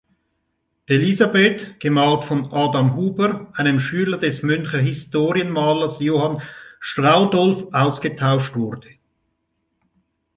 Elisabeth, gemalt von Adam Huber, einem Schüler des Münchener Historienmalers Johann Schraudolph, ausgetauscht wurde.